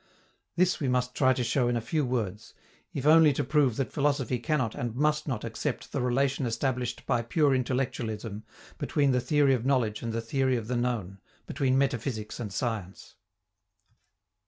This we must try to show in a few words, if only to prove that philosophy cannot and must not accept the relation established by pure intellectualism between the theory of knowledge and the theory of the known, between metaphysics and science.